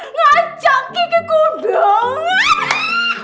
ngajak kiki ke undangan